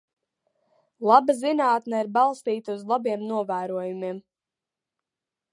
Laba zinātne ir balstīta uz labiem novērojumiem.